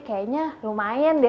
kayaknya lumayan deh